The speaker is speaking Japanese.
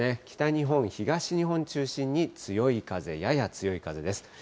北日本、東日本を中心に強い風、やや強い風です。